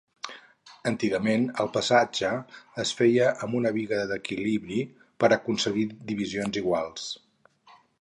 Antigament, el pesatge es feia amb una biga d'equilibri per aconseguir divisions iguals.